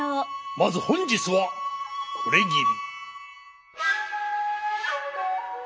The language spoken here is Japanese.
まず本日はこれぎり。